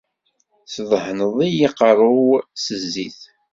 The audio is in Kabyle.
Teddehhineḍ-iyi aqerru-w s zzit.